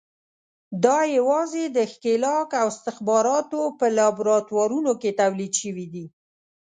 دا یوازې د ښکېلاک او استخباراتو په لابراتوارونو کې تولید شوي دي.